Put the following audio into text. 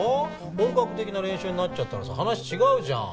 本格的な練習になっちゃったらさ話違うじゃん。